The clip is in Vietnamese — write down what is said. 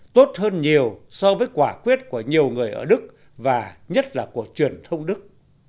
tốt hơn nhiều so với quả quyết của nhiều người ở đức và nhất là của truyền thông đức